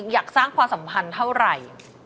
อยากสร้างความสัมพันธ์เท่าไหร่